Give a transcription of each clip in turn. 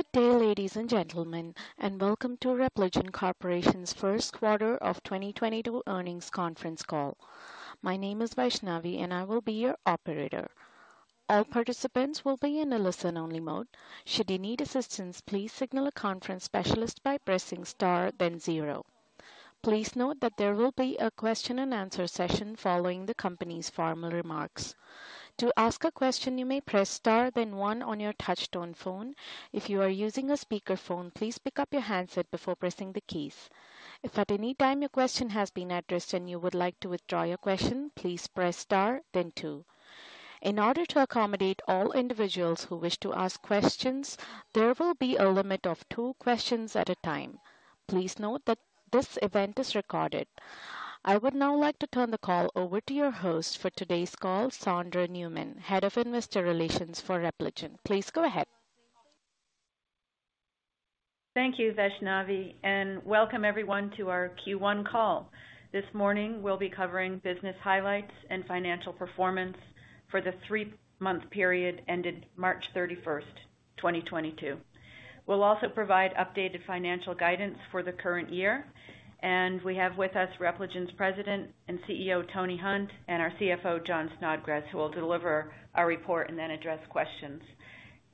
Good day, ladies and gentlemen, and welcome to Repligen Corporation's First Quarter of 2022 Earnings Conference Call. My name is Vaishnavi and I will be your operator. All participants will be in a listen-only mode. Should you need assistance, please signal a conference specialist by pressing star then zero. Please note that there will be a question and answer session following the company's formal remarks. To ask a question, you may press star then one on your touchtone phone. If you are using a speakerphone, please pick up your handset before pressing the keys. If at any time your question has been addressed and you would like to withdraw your question, please press star then two. In order to accommodate all individuals who wish to ask questions, there will be a limit of two questions at a time. Please note that this event is recorded. I would now like to turn the call over to your host for today's call, Sondra Newman, Head of Investor Relations for Repligen. Please go ahead. Thank you, Vaishnavi, and welcome everyone to our Q1 call. This morning, we'll be covering business highlights and financial performance for the three-month period ended March 31, 2022. We'll also provide updated financial guidance for the current year. We have with us Repligen's President and CEO, Tony Hunt, and our CFO, Jon Snodgres, who will deliver our report and then address questions.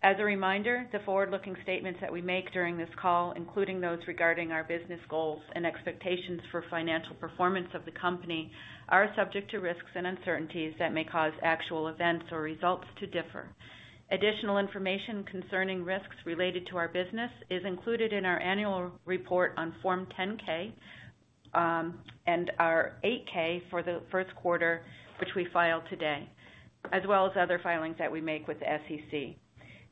As a reminder, the forward-looking statements that we make during this call, including those regarding our business goals and expectations for financial performance of the company, are subject to risks and uncertainties that may cause actual events or results to differ. Additional information concerning risks related to our business is included in our annual report on Form 10-K and our 8-K for the first quarter, which we filed today, as well as other filings that we make with the SEC.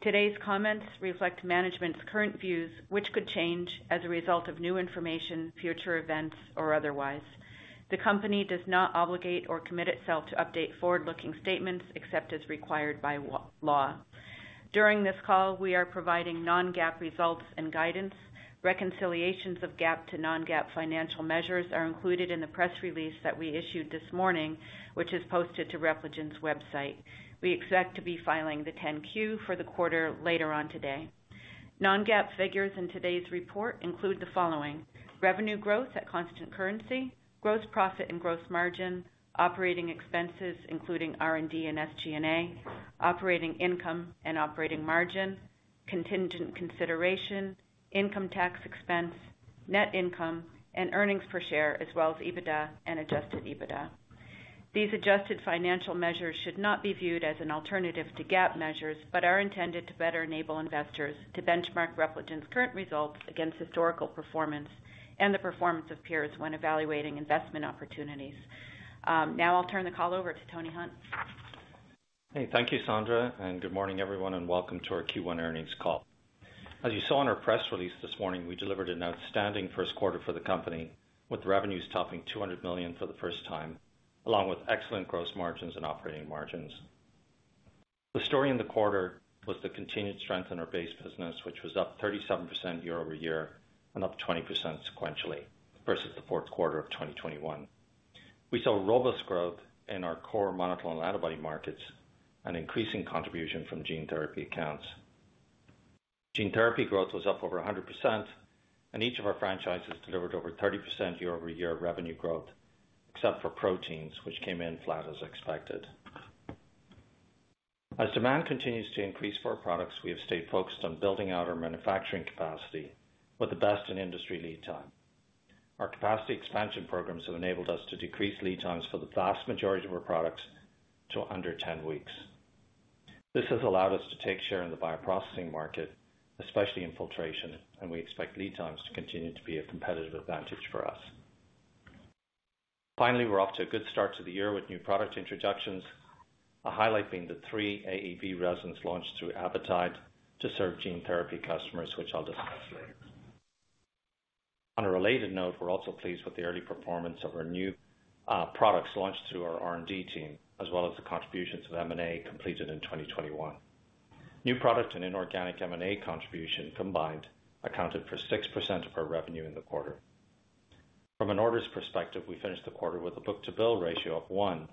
Today's comments reflect management's current views, which could change as a result of new information, future events, or otherwise. The company does not obligate or commit itself to update forward-looking statements except as required by law. During this call, we are providing non-GAAP results and guidance. Reconciliations of GAAP to non-GAAP financial measures are included in the press release that we issued this morning, which is posted to Repligen's website. We expect to be filing the 10-Q for the quarter later on today. Non-GAAP figures in today's report include the following, revenue growth at constant currency, gross profit and gross margin, operating expenses, including R&D and SG&A, operating income and operating margin, contingent consideration, income tax expense, net income, and earnings per share, as well as EBITDA and adjusted EBITDA. These adjusted financial measures should not be viewed as an alternative to GAAP measures, but are intended to better enable investors to benchmark Repligen's current results against historical performance and the performance of peers when evaluating investment opportunities. Now I'll turn the call over to Tony Hunt. Hey, thank you, Sondra, and good morning, everyone, and welcome to our Q1 earnings call. As you saw in our press release this morning, we delivered an outstanding first quarter for the company with revenues topping $200 million for the first time, along with excellent gross margins and operating margins. The story in the quarter was the continued strength in our base business, which was up 37% year over year and up 20% sequentially versus the fourth quarter of 2021. We saw robust growth in our core monoclonal antibody markets and increasing contribution from gene therapy accounts. Gene therapy growth was up over 100%, and each of our franchises delivered over 30% year over year revenue growth, except for proteins, which came in flat as expected. As demand continues to increase for our products, we have stayed focused on building out our manufacturing capacity with the best in industry lead time. Our capacity expansion programs have enabled us to decrease lead times for the vast majority of our products to under 10 weeks. This has allowed us to take share in the bioprocessing market, especially in filtration, and we expect lead times to continue to be a competitive advantage for us. Finally, we're off to a good start to the year with new product introductions, a highlight being the three AAV resins launched through Avitide to serve gene therapy customers, which I'll discuss later. On a related note, we're also pleased with the early performance of our new products launched through our R&D team, as well as the contributions of M&A completed in 2021. New product and inorganic M&A contribution combined accounted for 6% of our revenue in the quarter. From an orders perspective, we finished the quarter with a book-to-bill ratio of 1,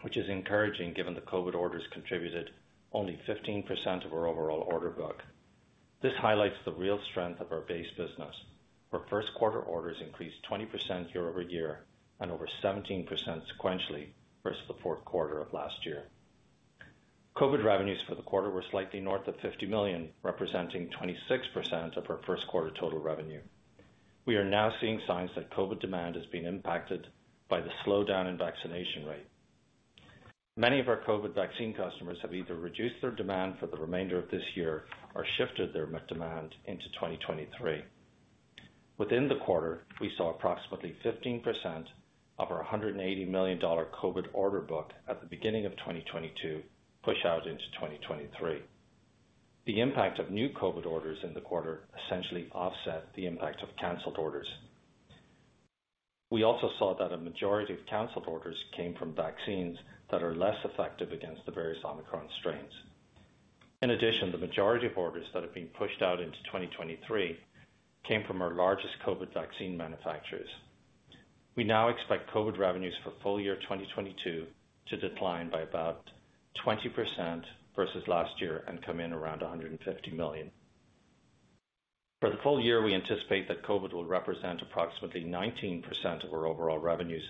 which is encouraging given the COVID orders contributed only 15% of our overall order book. This highlights the real strength of our base business, where first quarter orders increased 20% year-over-year and over 17% sequentially versus the fourth quarter of last year. COVID revenues for the quarter were slightly north of $50 million, representing 26% of our first quarter total revenue. We are now seeing signs that COVID demand is being impacted by the slowdown in vaccination rate. Many of our COVID vaccine customers have either reduced their demand for the remainder of this year or shifted their demand into 2023. Within the quarter, we saw approximately 15% of our $180 million COVID order book at the beginning of 2022 push out into 2023. The impact of new COVID orders in the quarter essentially offset the impact of canceled orders. We also saw that a majority of canceled orders came from vaccines that are less effective against the various Omicron strains. In addition, the majority of orders that have been pushed out into 2023 came from our largest COVID vaccine manufacturers. We now expect COVID revenues for full year 2022 to decline by about 20% versus last year and come in around $150 million. For the full year, we anticipate that COVID will represent approximately 19% of our overall revenues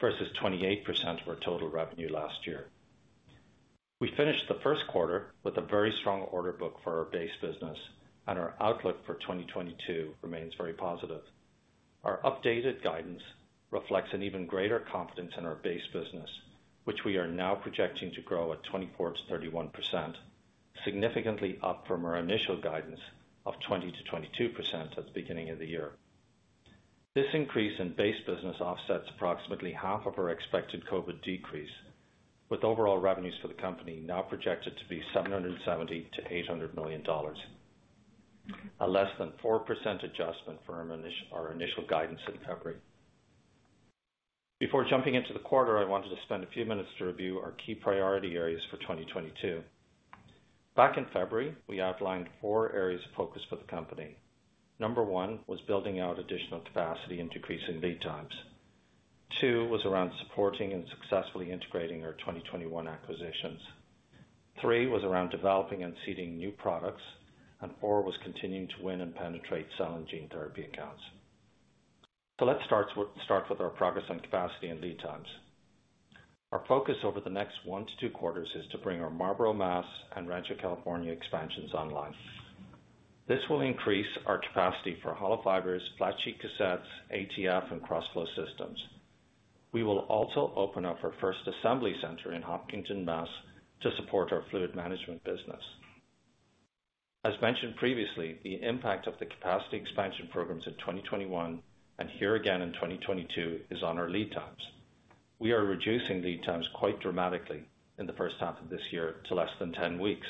versus 28% of our total revenue last year. We finished the first quarter with a very strong order book for our base business, and our outlook for 2022 remains very positive. Our updated guidance reflects an even greater confidence in our base business, which we are now projecting to grow at 24%-31%, significantly up from our initial guidance of 20%-22% at the beginning of the year. This increase in base business offsets approximately half of our expected COVID decrease, with overall revenues for the company now projected to be $770 million-$800 million. A less than 4% adjustment from our initial guidance in February. Before jumping into the quarter, I wanted to spend a few minutes to review our key priority areas for 2022. Back in February, we outlined four areas of focus for the company. Number 1 was building out additional capacity and decreasing lead times. 2 was around supporting and successfully integrating our 2021 acquisitions. 3 was around developing and seeding new products. 4 was continuing to win and penetrate cell and gene therapy accounts. Let's start with our progress on capacity and lead times. Our focus over the next 1 to 2 quarters is to bring our Marlborough, Mass. and Rancho Dominguez, California expansions online. This will increase our capacity for hollow fibers, flat-sheet cassettes, ATF, and crossflow systems. We will also open up our first assembly center in Hopkinton, Mass. to support our fluid management business. As mentioned previously, the impact of the capacity expansion programs in 2021 and here again in 2022 is on our lead times. We are reducing lead times quite dramatically in the first half of this year to less than 10 weeks.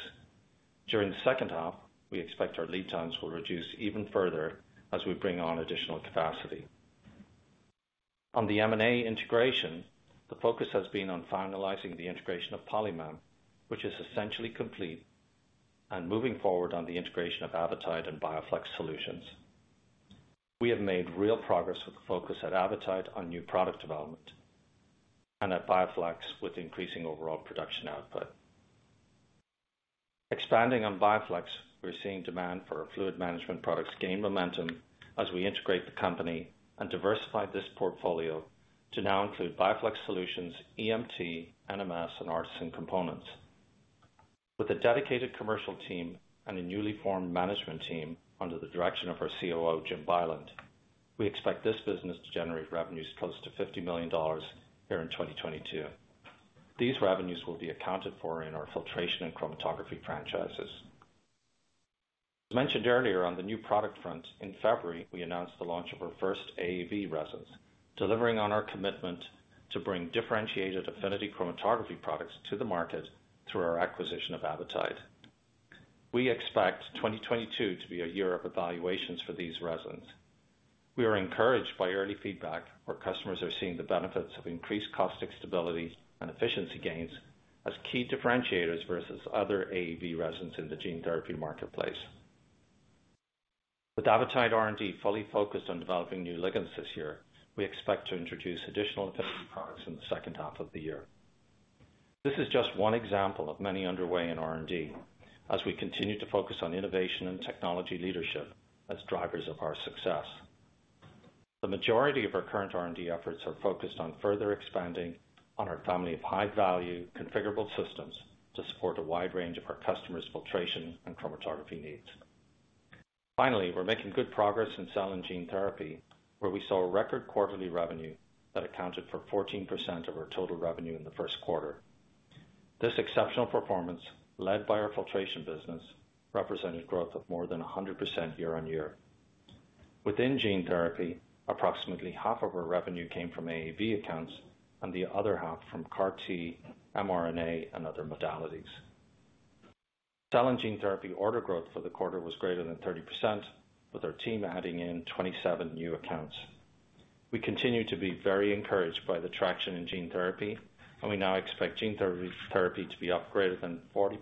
During the second half, we expect our lead times will reduce even further as we bring on additional capacity. On the M&A integration, the focus has been on finalizing the integration of Polymem, which is essentially complete, and moving forward on the integration of Avitide and BioFlex Solutions. We have made real progress with the focus at Avitide on new product development and at BioFlex with increasing overall production output. Expanding on BioFlex, we're seeing demand for our fluid management products gain momentum as we integrate the company and diversify this portfolio to now include BioFlex Solutions, EMT, NMS, and ARTeSYN components. With a dedicated commercial team and a newly formed management team under the direction of our COO, Jim Bylund, we expect this business to generate revenues close to $50 million here in 2022. These revenues will be accounted for in our filtration and chromatography franchises. As mentioned earlier on the new product front, in February, we announced the launch of our first AAV resins, delivering on our commitment to bring differentiated affinity chromatography products to the market through our acquisition of Avitide. We expect 2022 to be a year of evaluations for these resins. We are encouraged by early feedback where customers are seeing the benefits of increased caustic stability and efficiency gains as key differentiators versus other AAV resins in the gene therapy marketplace. With Avitide R&D fully focused on developing new ligands this year, we expect to introduce additional affinity products in the second half of the year. This is just one example of many underway in R&D as we continue to focus on innovation and technology leadership as drivers of our success. The majority of our current R&D efforts are focused on further expanding on our family of high-value configurable systems to support a wide range of our customers' filtration and chromatography needs. Finally, we're making good progress in cell and gene therapy, where we saw a record quarterly revenue that accounted for 14% of our total revenue in the first quarter. This exceptional performance, led by our filtration business, represented growth of more than 100% year-over-year. Within gene therapy, approximately half of our revenue came from AAV accounts and the other half from CAR T, mRNA and other modalities. Cell and gene therapy order growth for the quarter was greater than 30%, with our team adding in 27 new accounts. We continue to be very encouraged by the traction in gene therapy, and we now expect gene therapy to be up greater than 40%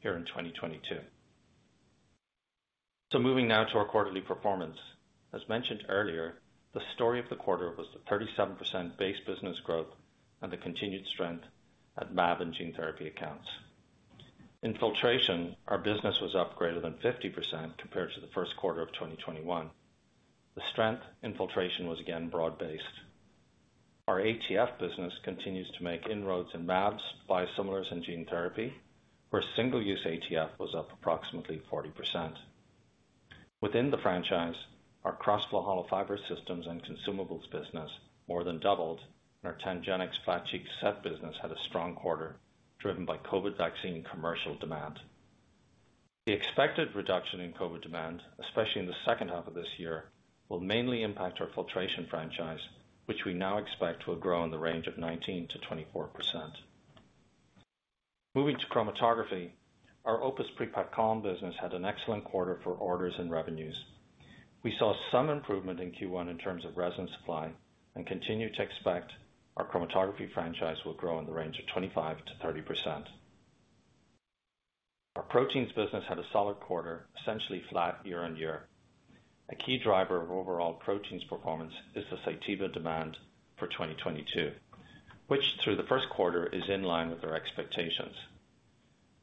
here in 2022. Moving now to our quarterly performance. As mentioned earlier, the story of the quarter was the 37% base business growth and the continued strength at mAb and gene therapy accounts. In filtration, our business was up greater than 50% compared to the first quarter of 2021. The strength in filtration was again broad-based. Our ATF business continues to make inroads in mAbs, biosimilars, and gene therapy, where single-use ATF was up approximately 40%. Within the franchise, our cross flow hollow fiber systems and consumables business more than doubled, and our TangenX flat-sheet cassette business had a strong quarter, driven by COVID vaccine commercial demand. The expected reduction in COVID demand, especially in the second half of this year, will mainly impact our filtration franchise, which we now expect will grow in the range of 19%-24%. Moving to chromatography, our OPUS Pre-packed column business had an excellent quarter for orders and revenues. We saw some improvement in Q1 in terms of resin supply and continue to expect our chromatography franchise will grow in the range of 25%-30%. Our proteins business had a solid quarter, essentially flat year-over-year. A key driver of overall proteins performance is the softening demand for 2022, which through the first quarter is in line with our expectations.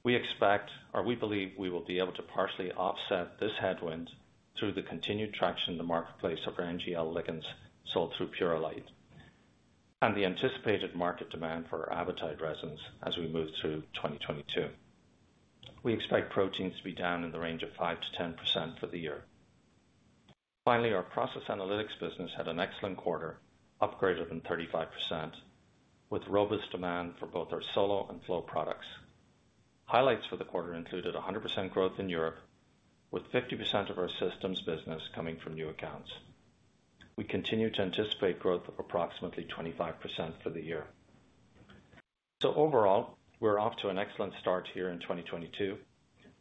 We expect or we believe we will be able to partially offset this headwind through the continued traction in the marketplace of our NGL ligands sold through Purolite and the anticipated market demand for our Avitide resins as we move through 2022. We expect proteins to be down in the range of 5%-10% for the year. Our process analytics business had an excellent quarter, up 35% with robust demand for both our Solo and Flow products. Highlights for the quarter included 100% growth in Europe, with 50% of our systems business coming from new accounts. We continue to anticipate growth of approximately 25% for the year. Overall, we're off to an excellent start here in 2022.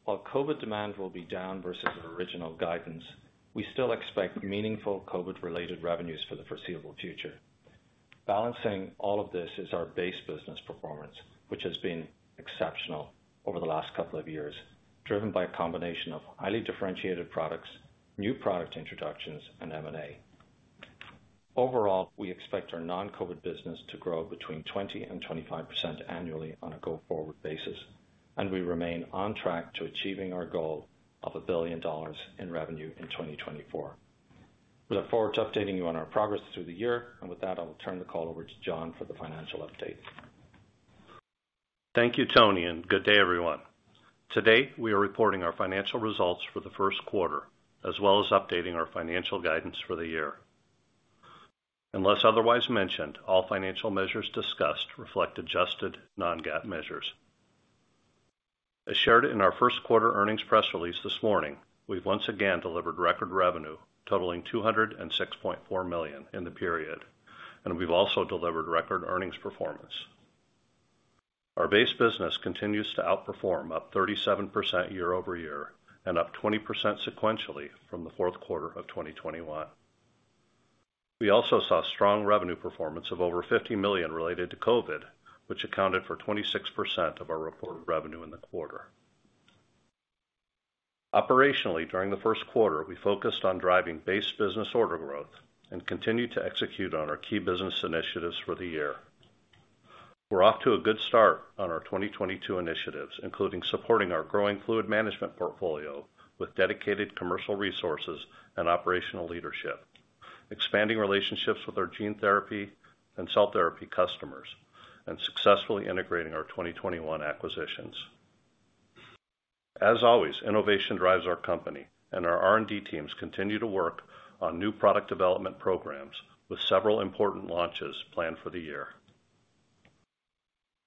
While COVID demand will be down versus our original guidance, we still expect meaningful COVID-related revenues for the foreseeable future. Balancing all of this is our base business performance, which has been exceptional over the last couple of years, driven by a combination of highly differentiated products, new product introductions, and M&A. Overall, we expect our non-COVID business to grow between 20% and 25% annually on a go-forward basis, and we remain on track to achieving our goal of $1 billion in revenue in 2024. We look forward to updating you on our progress through the year. With that, I'll turn the call over to Jon for the financial update. Thank you, Tony, and good day everyone. Today, we are reporting our financial results for the first quarter as well as updating our financial guidance for the year. Unless otherwise mentioned, all financial measures discussed reflect adjusted non-GAAP measures. As shared in our first quarter earnings press release this morning, we've once again delivered record revenue totaling $206.4 million in the period. We've also delivered record earnings performance. Our base business continues to outperform up 37% year-over-year and up 20% sequentially from the fourth quarter of 2021. We also saw strong revenue performance of over $50 million related to COVID, which accounted for 26% of our reported revenue in the quarter. Operationally, during the first quarter, we focused on driving base business order growth and continued to execute on our key business initiatives for the year. We're off to a good start on our 2022 initiatives, including supporting our growing fluid management portfolio with dedicated commercial resources and operational leadership, expanding relationships with our gene therapy and cell therapy customers, and successfully integrating our 2021 acquisitions. As always, innovation drives our company and our R&D teams continue to work on new product development programs with several important launches planned for the year.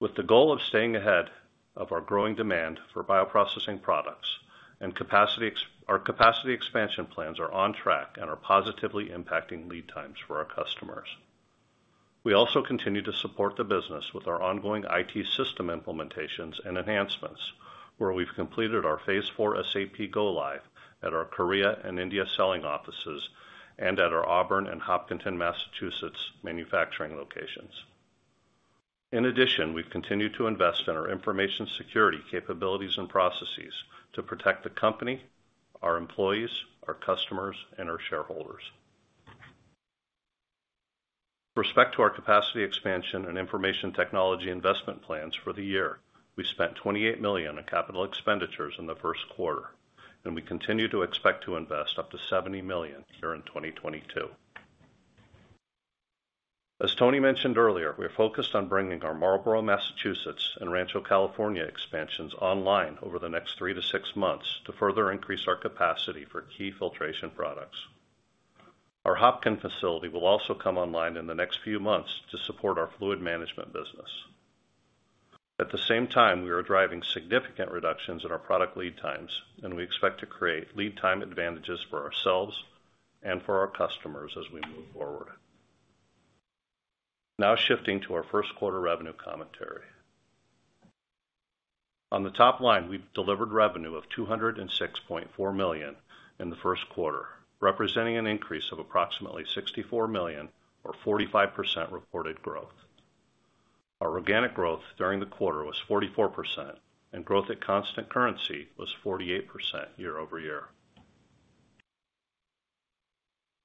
With the goal of staying ahead of our growing demand for bioprocessing products and capacity, our capacity expansion plans are on track and are positively impacting lead times for our customers. We also continue to support the business with our ongoing IT system implementations and enhancements, where we've completed our phase 4 SAP Go Live at our Korea and India selling offices and at our Auburn and Hopkinton, Massachusetts manufacturing locations. In addition, we've continued to invest in our information security capabilities and processes to protect the company, our employees, our customers, and our shareholders. With respect to our capacity expansion and information technology investment plans for the year, we spent $28 million in capital expenditures in the first quarter, and we continue to expect to invest up to $70 million year in 2022. As Tony mentioned earlier, we're focused on bringing our Marlborough, Massachusetts, and Rancho Dominguez, California expansions online over the next 3-6 months to further increase our capacity for key filtration products. Our Hopkinton facility will also come online in the next few months to support our fluid management business. At the same time, we are driving significant reductions in our product lead times, and we expect to create lead time advantages for ourselves and for our customers as we move forward. Now shifting to our first quarter revenue commentary. On the top line, we've delivered revenue of $206.4 million in the first quarter, representing an increase of approximately $64 million or 45% reported growth. Our organic growth during the quarter was 44%, and growth at constant currency was 48% year over year.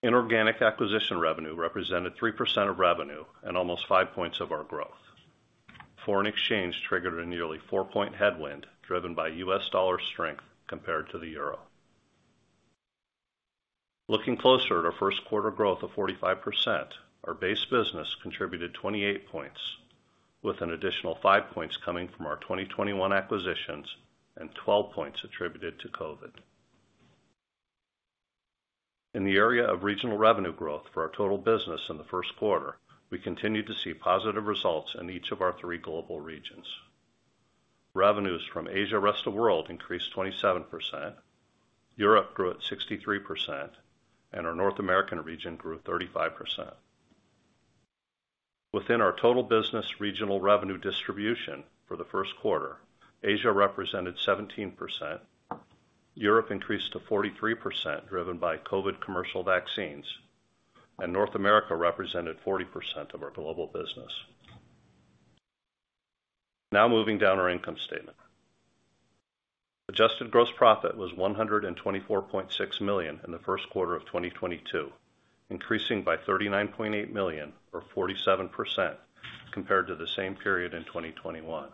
Inorganic acquisition revenue represented 3% of revenue and almost 5 points of our growth. Foreign exchange triggered a nearly 4-point headwind driven by US dollar strength compared to the euro. Looking closer at our first quarter growth of 45%, our base business contributed 28 points with an additional 5 points coming from our 2021 acquisitions and 12 points attributed to COVID. In the area of regional revenue growth for our total business in the first quarter, we continued to see positive results in each of our three global regions. Revenues from Asia/Rest of World increased 27%, Europe grew at 63%, and our North American region grew 35%. Within our total business regional revenue distribution for the first quarter, Asia represented 17%, Europe increased to 43%, driven by COVID commercial vaccines, and North America represented 40% of our global business. Now moving down our income statement. Adjusted gross profit was $124.6 million in the first quarter of 2022, increasing by $39.8 million or 47% compared to the same period in 2021.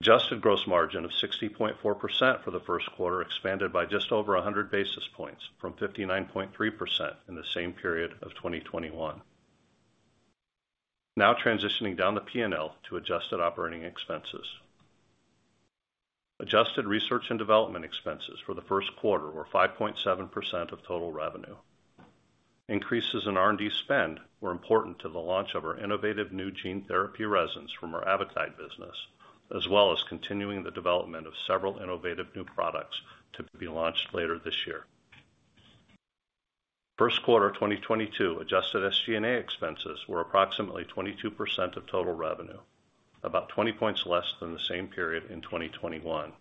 Adjusted gross margin of 60.4% for the first quarter expanded by just over 100 basis points from 59.3% in the same period of 2021. Now transitioning down the PNL to adjusted operating expenses. Adjusted research and development expenses for the first quarter were 5.7% of total revenue. Increases in R&D spend were important to the launch of our innovative new gene therapy resins from our Avitide business, as well as continuing the development of several innovative new products to be launched later this year. First quarter of 2022, adjusted SG&A expenses were approximately 22% of total revenue, about 20 points less than the same period in 2021.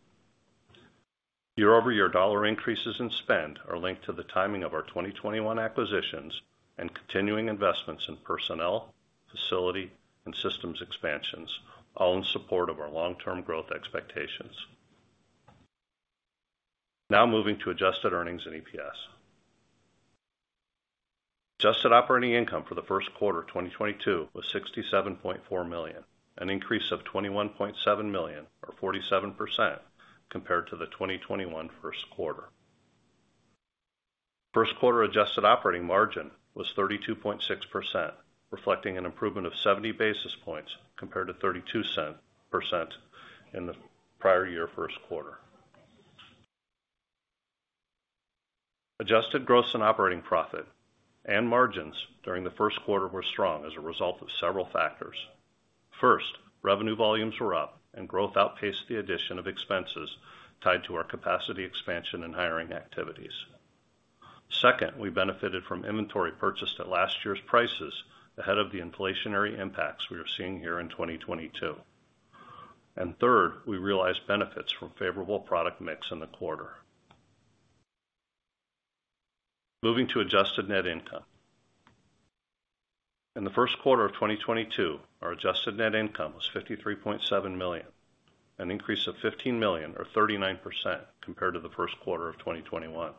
Year-over-year dollar increases in spend are linked to the timing of our 2021 acquisitions and continuing investments in personnel, facility, and systems expansions, all in support of our long-term growth expectations. Now moving to adjusted earnings and EPS. Adjusted operating income for the first quarter of 2022 was $67.4 million, an increase of $21.7 million or 47% compared to the 2021 first quarter. First quarter adjusted operating margin was 32.6%, reflecting an improvement of 70 basis points compared to 32% in the prior year first quarter. Adjusted gross and operating profit and margins during the first quarter were strong as a result of several factors. First, revenue volumes were up and growth outpaced the addition of expenses tied to our capacity expansion and hiring activities. Second, we benefited from inventory purchased at last year's prices ahead of the inflationary impacts we are seeing here in 2022. Third, we realized benefits from favorable product mix in the quarter. Moving to adjusted net income. In the first quarter of 2022, our adjusted net income was $53.7 million, an increase of $15 million or 39% compared to the first quarter of 2021.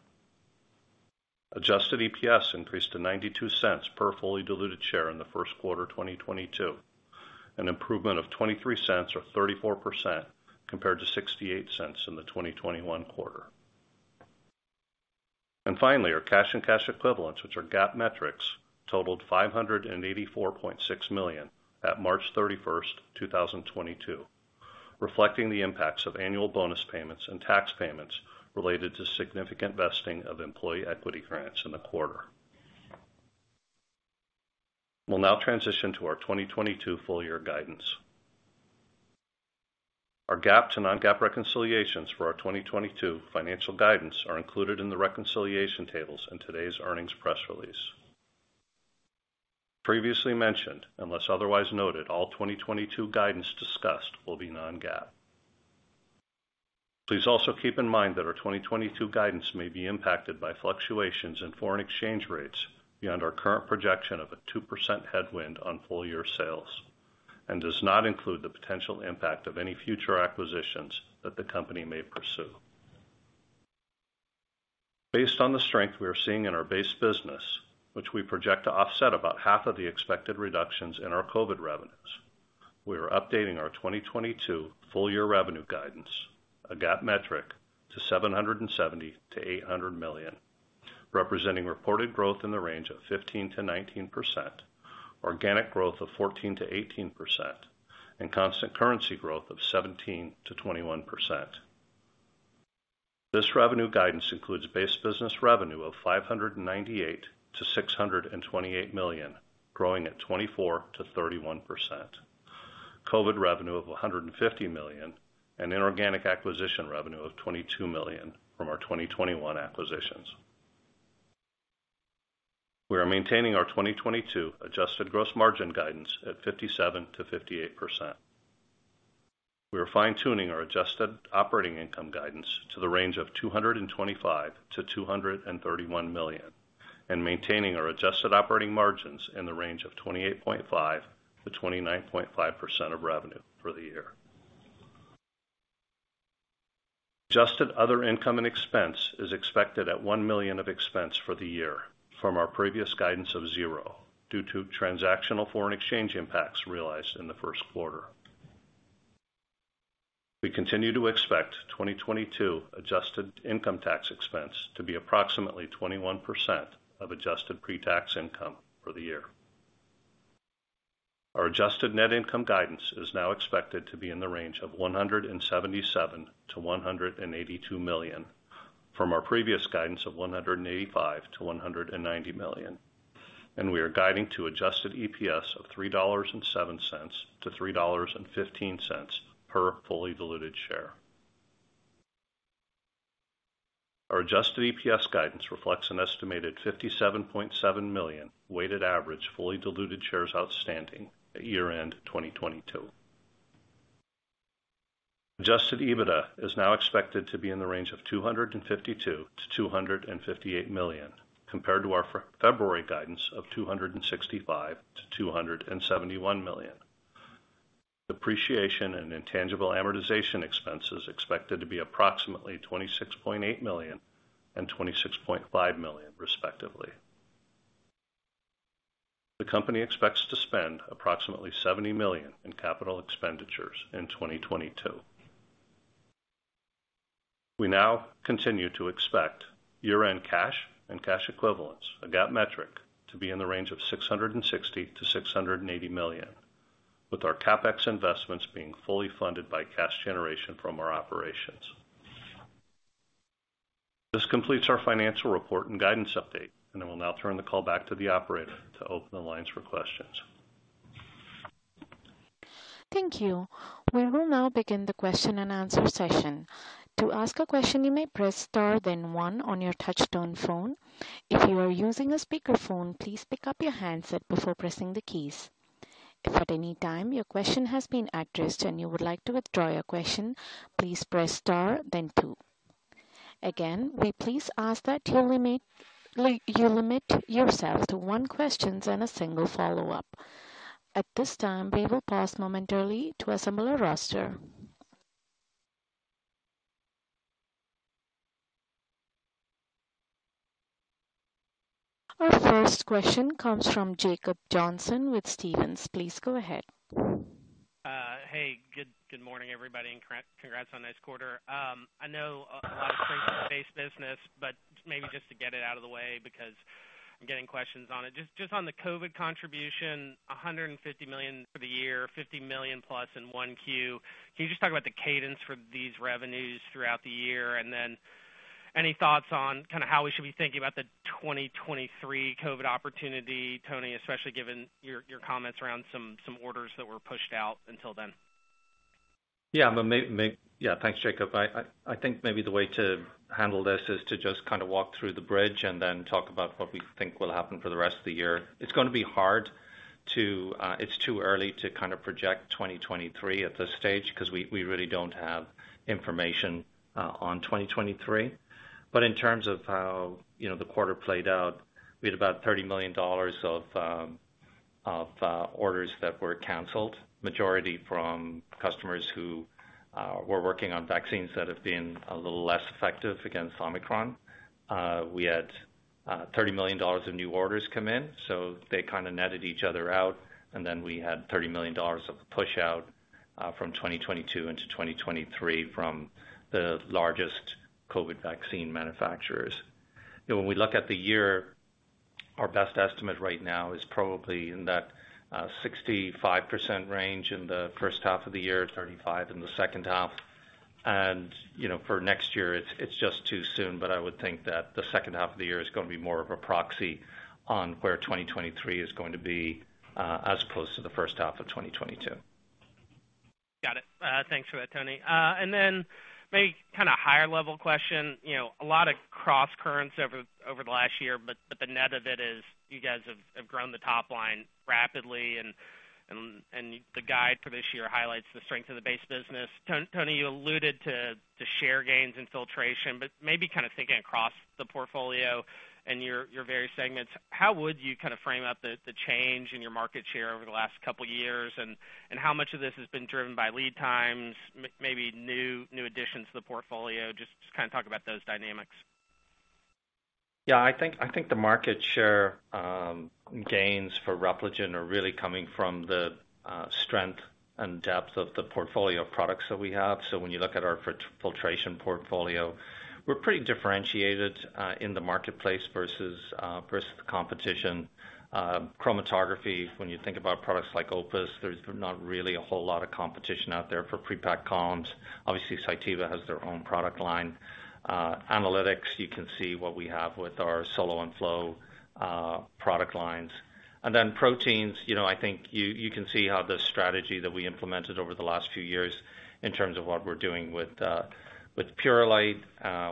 Adjusted EPS increased to $0.92 per fully diluted share in the first quarter of 2022, an improvement of $0.23 or 34% compared to $0.68 in the 2021 quarter. Finally, our cash and cash equivalents, which are GAAP metrics, totaled $584.6 million at March 31, 2022, reflecting the impacts of annual bonus payments and tax payments related to significant vesting of employee equity grants in the quarter. We'll now transition to our 2022 full year guidance. Our GAAP to non-GAAP reconciliations for our 2022 financial guidance are included in the reconciliation tables in today's earnings press release. Previously mentioned, unless otherwise noted, all 2022 guidance discussed will be non-GAAP. Please also keep in mind that our 2022 guidance may be impacted by fluctuations in foreign exchange rates beyond our current projection of a 2% headwind on full year sales, and does not include the potential impact of any future acquisitions that the company may pursue. Based on the strength we are seeing in our base business, which we project to offset about half of the expected reductions in our COVID revenues, we are updating our 2022 full year revenue guidance, a GAAP metric, to $770 million-$800 million, representing reported growth in the range of 15%-19%, organic growth of 14%-18%, and constant currency growth of 17%-21%. This revenue guidance includes base business revenue of $598 million-$628 million, growing at 24%-31%, COVID revenue of $150 million, and inorganic acquisition revenue of $22 million from our 2021 acquisitions. We are maintaining our 2022 adjusted gross margin guidance at 57%-58%. We are fine-tuning our adjusted operating income guidance to the range of $225 million-$231 million, and maintaining our adjusted operating margins in the range of 28.5%-29.5% of revenue for the year. Adjusted other income and expense is expected at $1 million of expense for the year from our previous guidance of 0 due to transactional foreign exchange impacts realized in the first quarter. We continue to expect 2022 adjusted income tax expense to be approximately 21% of adjusted pre-tax income for the year. Our adjusted net income guidance is now expected to be in the range of $177 million-$182 million from our previous guidance of $185 million-$190 million, and we are guiding to adjusted EPS of $3.07-$3.15 per fully diluted share. Our adjusted EPS guidance reflects an estimated 57.7 million weighted average, fully diluted shares outstanding at year-end 2022. Adjusted EBITDA is now expected to be in the range of $252 million-$258 million compared to our February guidance of $265 million-$271 million. Depreciation and intangible amortization expense is expected to be approximately $26.8 million and $26.5 million, respectively. The company expects to spend approximately $70 million in capital expenditures in 2022. We now continue to expect year-end cash and cash equivalents, a GAAP metric, to be in the range of $660 million-$680 million, with our CapEx investments being fully funded by cash generation from our operations. This completes our financial report and guidance update, and I will now turn the call back to the operator to open the lines for questions. Thank you. We will now begin the question-and-answer session. To ask a question, you may press star then one on your touch-tone phone. If you are using a speakerphone, please pick up your handset before pressing the keys. If at any time your question has been addressed and you would like to withdraw your question, please press star then two. Again, we please ask that you limit yourselves to one question and a single follow-up. At this time, we will pause momentarily to assemble a roster. Our first question comes from Jacob Johnson with Stephens. Please go ahead. Hey, good morning, everybody, and congrats on this quarter. I know a lot of strength in the base business, but maybe just to get it out of the way because I'm getting questions on it. Just on the COVID contribution, $150 million for the year, $50 million-plus in Q1. Can you just talk about the cadence for these revenues throughout the year? Then any thoughts on kind of how we should be thinking about the 2023 COVID opportunity, Tony, especially given your comments around some orders that were pushed out until then? Yeah. Thanks, Jacob. I think maybe the way to handle this is to just kind of walk through the bridge and then talk about what we think will happen for the rest of the year. It's gonna be hard to. It's too early to kind of project 2023 at this stage because we really don't have information on 2023. In terms of how, you know, the quarter played out, we had about $30 million of orders that were canceled, majority from customers who were working on vaccines that have been a little less effective against Omicron. We had $30 million of new orders come in, so they kind of netted each other out. We had $30 million of pushout from 2022 into 2023 from the largest COVID vaccine manufacturers. You know, when we look at the year, our best estimate right now is probably in that 65% range in the first half of the year, 35% in the second half. You know, for next year, it's just too soon. I would think that the second half of the year is gonna be more of a proxy on where 2023 is going to be, as opposed to the first half of 2022. Got it. Thanks for that, Tony. Then maybe kind of higher level question. You know, a lot of crosscurrents over the last year, but the net of it is you guys have grown the top line rapidly and the guide for this year highlights the strength of the base business. Tony, you alluded to share gains in filtration, but maybe kind of thinking across the portfolio and your various segments, how would you kind of frame up the change in your market share over the last couple years, and how much of this has been driven by lead times, maybe new additions to the portfolio? Just kind of talk about those dynamics. Yeah. I think the market share gains for Repligen are really coming from the strength and depth of the portfolio of products that we have. When you look at our filtration portfolio, we're pretty differentiated in the marketplace versus the competition. Chromatography, when you think about products like OPUS, there's not really a whole lot of competition out there for pre-packed columns. Obviously, Cytiva has their own product line. Analytics, you can see what we have with our Solo and Flow product lines. Proteins, you know, I think you can see how the strategy that we implemented over the last few years in terms of what we're doing with Purolite,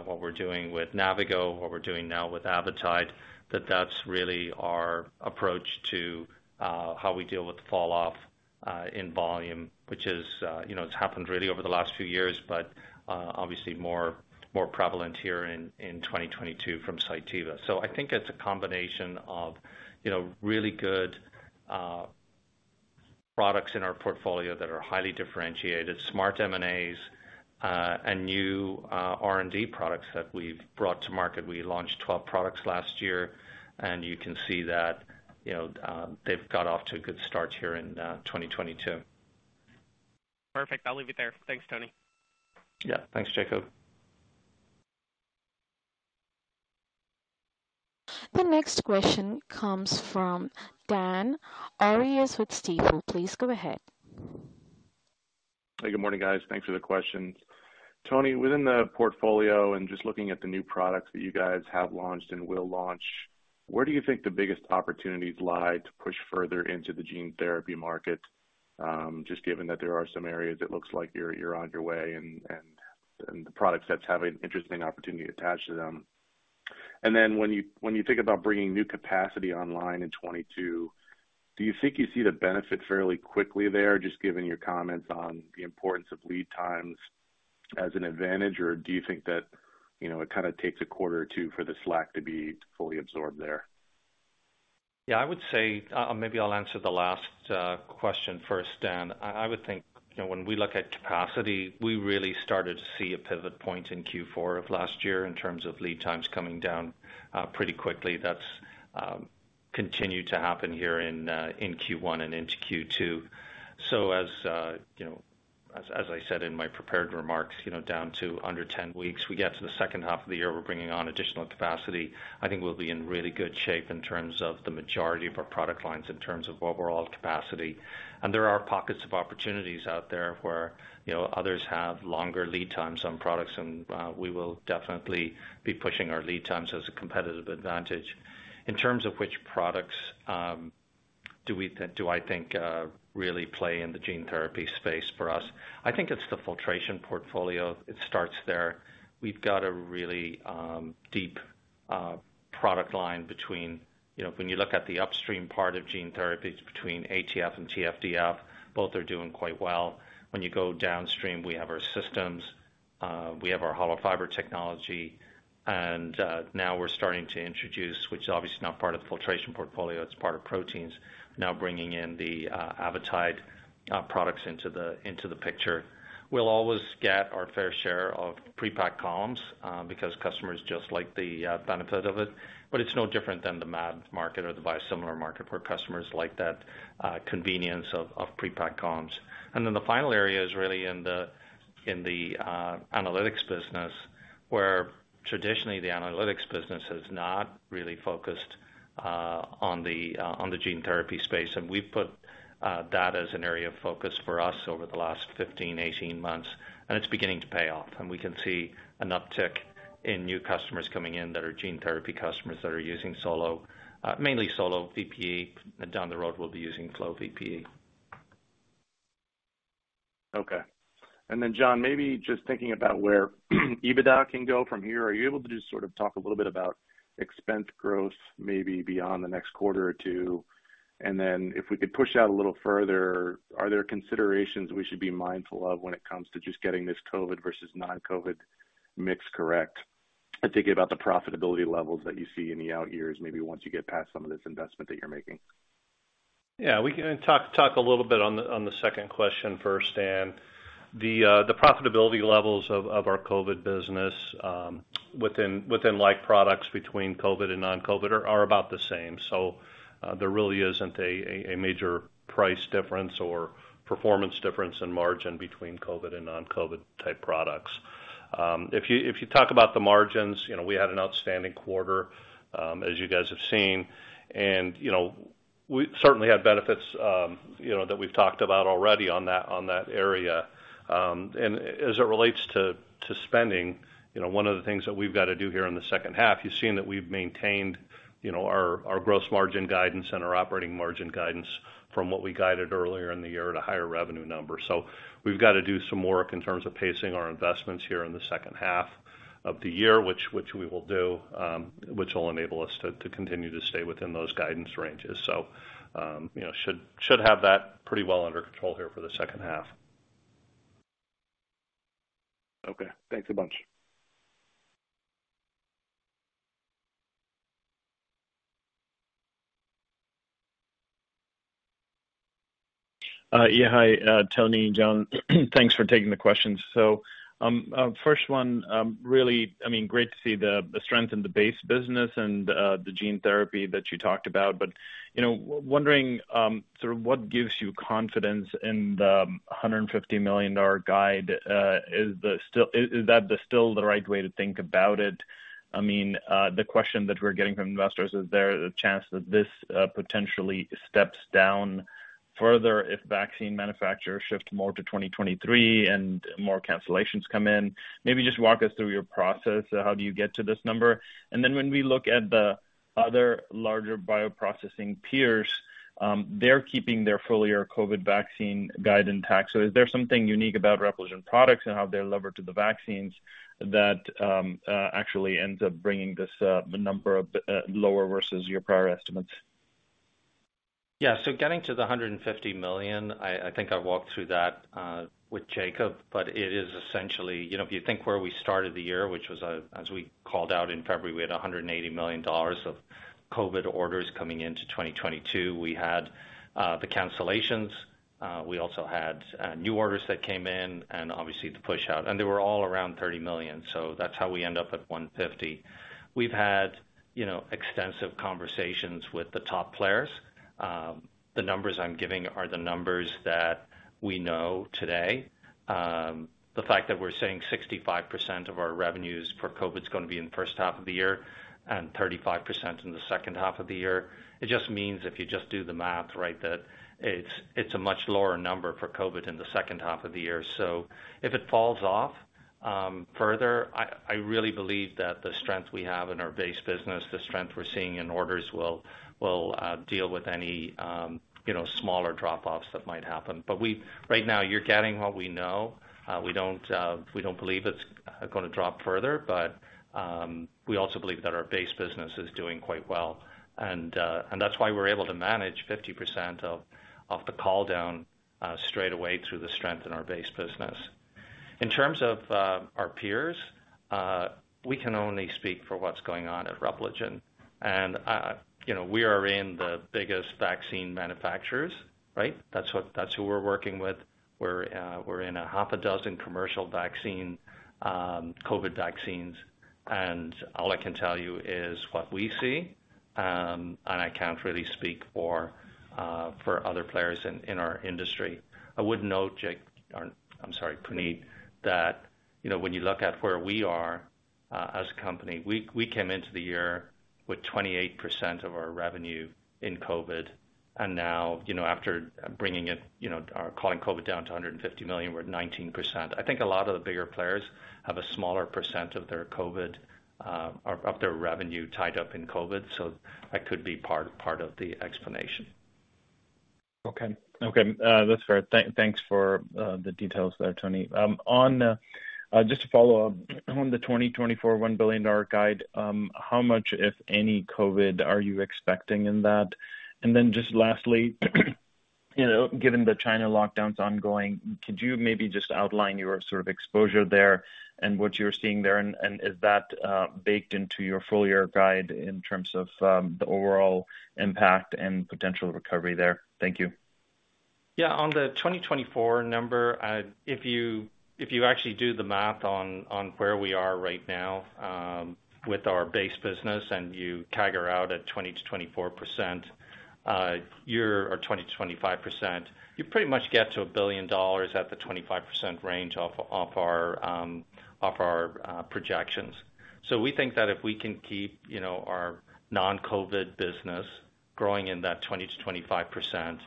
what we're doing with Navigo, what we're doing now with Avitide, that's really our approach to how we deal with the fall off in volume, which is, you know, it's happened really over the last few years, but obviously more prevalent here in 2022 from Cytiva. I think it's a combination of, you know, really good products in our portfolio that are highly differentiated, smart M&As, and new R&D products that we've brought to market. We launched 12 products last year, and you can see that, you know, they've got off to a good start here in 2022. Perfect. I'll leave it there. Thanks, Tony. Yeah. Thanks, Jacob. The next question comes from Dan Arias with Stifel. Please go ahead. Hey, good morning, guys. Thanks for the questions. Tony, within the portfolio and just looking at the new products that you guys have launched and will launch. Where do you think the biggest opportunities lie to push further into the gene therapy market? Just given that there are some areas it looks like you're on your way and the product sets have an interesting opportunity attached to them. Then when you think about bringing new capacity online in 2022, do you think you see the benefit fairly quickly there, just given your comments on the importance of lead times as an advantage, or do you think that, you know, it kind of takes a quarter or two for the slack to be fully absorbed there? Yeah, I would say maybe I'll answer the last question first, Dan. I would think, you know, when we look at capacity, we really started to see a pivot point in Q4 of last year in terms of lead times coming down pretty quickly. That's continued to happen here in Q1 and into Q2. As you know, as I said in my prepared remarks, you know, down to under 10 weeks, we get to the second half of the year, we're bringing on additional capacity. I think we'll be in really good shape in terms of the majority of our product lines in terms of overall capacity. There are pockets of opportunities out there where, you know, others have longer lead times on products and we will definitely be pushing our lead times as a competitive advantage. In terms of which products, do I think really play in the gene therapy space for us, I think it's the filtration portfolio. It starts there. We've got a really deep product line between, you know, when you look at the upstream part of gene therapies between ATF and TFDF, both are doing quite well. When you go downstream, we have our systems, we have our hollow fiber technology, and now we're starting to introduce, which is obviously not part of the filtration portfolio, it's part of proteins, now bringing in the Avitide products into the picture. We'll always get our fair share of pre-packed columns, because customers just like the benefit of it, but it's no different than the mAb market or the biosimilar market where customers like that convenience of pre-packed columns. Then the final area is really in the analytics business, where traditionally the analytics business has not really focused on the gene therapy space. We've put that as an area of focus for us over the last 15, 18 months, and it's beginning to pay off, and we can see an uptick in new customers coming in that are gene therapy customers that are using Solo, mainly Solo VPE, and down the road we'll be using Flow VPE. Okay. John, maybe just thinking about where EBITDA can go from here. Are you able to just sort of talk a little bit about expense growth maybe beyond the next quarter or two? If we could push out a little further, are there considerations we should be mindful of when it comes to just getting this COVID versus non-COVID mix correct, and thinking about the profitability levels that you see in the out years, maybe once you get past some of this investment that you're making? Yeah, we can talk a little bit on the second question first, Dan. The profitability levels of our COVID business within like products between COVID and non-COVID are about the same. There really isn't a major price difference or performance difference in margin between COVID and non-COVID type products. If you talk about the margins, you know, we had an outstanding quarter, as you guys have seen, and you know, we certainly had benefits, you know, that we've talked about already on that area. As it relates to spending, you know, one of the things that we've gotta do here in the second half, you've seen that we've maintained, you know, our gross margin guidance and our operating margin guidance from what we guided earlier in the year at a higher revenue number. We've got to do some work in terms of pacing our investments here in the second half of the year, which we will do, which will enable us to continue to stay within those guidance ranges. You know, should have that pretty well under control here for the second half. Okay. Thanks a bunch. Yeah, hi, Tony Hunt and Jon Snodgrass. Thanks for taking the questions. First one, really, I mean, great to see the strength in the base business and the gene therapy that you talked about. You know, wondering sort of what gives you confidence in the $150 million guide. Is that still the right way to think about it? I mean, the question that we're getting from investors, is there a chance that this potentially steps down further if vaccine manufacturers shift more to 2023 and more cancellations come in? Maybe just walk us through your process, how do you get to this number? Then when we look at the other larger bioprocessing peers, they're keeping their full year COVID vaccine guide intact. Is there something unique about Repligen products and how they're levered to the vaccines that actually ends up bringing this number a bit lower versus your prior estimates? Getting to the $150 million, I think I walked through that with Jacob, but it is essentially, you know, if you think where we started the year, which was, as we called out in February, we had $180 million of COVID orders coming into 2022. We had the cancellations, we also had new orders that came in and obviously the push out, and they were all around $30 million, so that's how we end up at $150 million. We've had, you know, extensive conversations with the top players. The numbers I'm giving are the numbers that we know today. The fact that we're saying 65% of our revenues for COVID is gonna be in the first half of the year and 35% in the second half of the year, it just means if you just do the math, right, that it's a much lower number for COVID in the second half of the year. If it falls off further, I really believe that the strength we have in our base business, the strength we're seeing in orders will deal with any, you know, smaller drop-offs that might happen. Right now you're getting what we know. We don't believe it's gonna drop further, but we also believe that our base business is doing quite well. That's why we're able to manage 50% of the calldown straight away through the strength in our base business. In terms of our peers, we can only speak for what's going on at Repligen. You know, we are in the biggest vaccine manufacturers, right? That's who we're working with. We're in half a dozen commercial vaccine COVID vaccines, and all I can tell you is what we see, and I can't really speak for other players in our industry. I would note, Jacob, or I'm sorry, Puneet, that, you know, when you look at where we are, as a company, we came into the year with 28% of our revenue in COVID, and now, you know, after bringing it, you know, or calling COVID down to $150 million, we're at 19%. I think a lot of the bigger players have a smaller percent of their COVID, or of their revenue tied up in COVID, so that could be part of the explanation. Okay. That's fair. Thanks for the details there, Tony. Just to follow up on the 2024 $1 billion guide, how much, if any, COVID are you expecting in that? And then just lastly, you know, given the China lockdowns ongoing, could you maybe just outline your sort of exposure there and what you're seeing there, and is that baked into your full year guide in terms of the overall impact and potential recovery there? Thank you. Yeah. On the 2024 number, if you actually do the math on where we are right now with our base business and you take it out at 20%-24% year-over-year or 20%-25%, you pretty much get to $1 billion at the 25% range off our projections. We think that if we can keep, you know, our non-COVID business growing in that 20%-25%,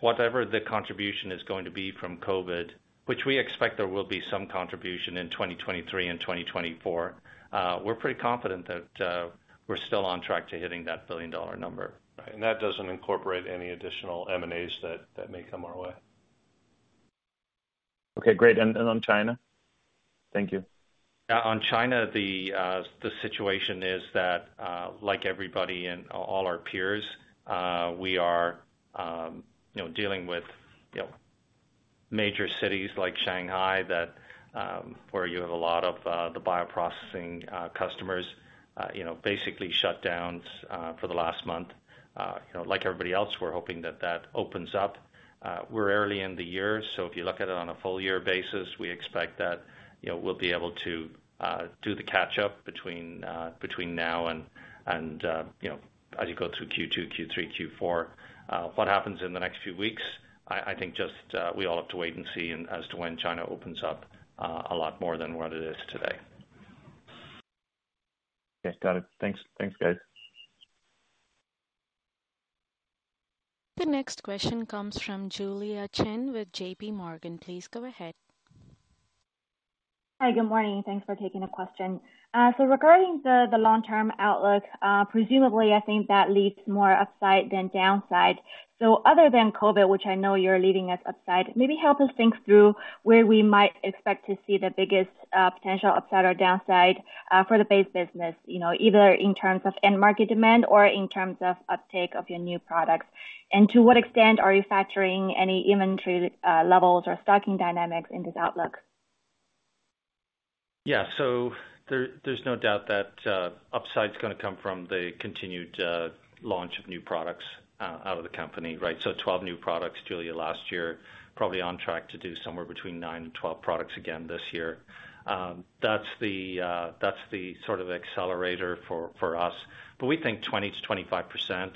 whatever the contribution is going to be from COVID, which we expect there will be some contribution in 2023 and 2024, we're pretty confident that we're still on track to hitting that $1 billion number. Right. That doesn't incorporate any additional M&As that may come our way. Okay, great. On China? Thank you. On China, the situation is that, like everybody and all our peers, we are, you know, dealing with, you know, major cities like Shanghai that, where you have a lot of the bioprocessing customers, you know, basically shutdowns for the last month. You know, like everybody else, we're hoping that that opens up. We're early in the year, so if you look at it on a full year basis, we expect that, you know, we'll be able to do the catch up between now and, you know, as you go through Q2, Q3, Q4. What happens in the next few weeks, I think just we all have to wait and see as to when China opens up a lot more than what it is today. Okay. Got it. Thanks. Thanks, guys. The next question comes from Julia Qin with J.P. Morgan. Please go ahead. Hi, good morning. Thanks for taking the question. Regarding the long-term outlook, presumably, I think that leads more upside than downside. Other than COVID, which I know you're leading us upside, maybe help us think through where we might expect to see the biggest potential upside or downside for the base business, you know, either in terms of end market demand or in terms of uptake of your new products. To what extent are you factoring any inventory levels or stocking dynamics in this outlook? Yeah. There's no doubt that upside's gonna come from the continued launch of new products out of the company, right? Twelve new products, Julia, last year, probably on track to do somewhere between 9-12 products again this year. That's the sort of accelerator for us. But we think 20%-25%